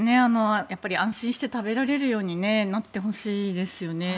安心して食べられるようになってほしいですよね。